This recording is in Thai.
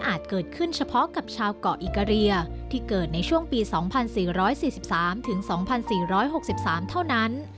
เกิดขึ้นเฉพาะกับชาวเกาะอิกาเรียที่เกิดในช่วงปี๒๔๔๓๒๔๖๓เท่านั้น